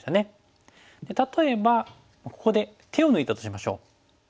例えばここで手を抜いたとしましょう。